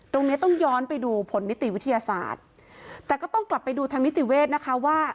เนี้ยต้องย้อนไปดูผลนิติวิทยาศาสตร์แต่ก็ต้องกลับไปดูทางนิติเวทนะคะว่า